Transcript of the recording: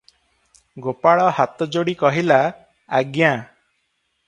ଗୋପାଳ ହାତ ଯୋଡ଼ି କହିଲା, "ଆଜ୍ଞା!